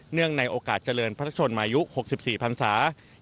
ในโอกาสเจริญพระชนมายุ๖๔พันศา